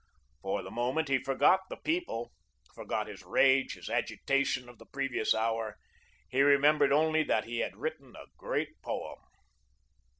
For the moment, he forgot the People, forgot his rage, his agitation of the previous hour, he remembered only that he had written a great poem.